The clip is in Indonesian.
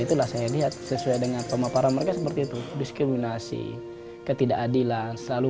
itulah saya lihat sesuai dengan pemaparan mereka seperti itu diskriminasi ketidakadilan selalu